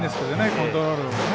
コントロールは。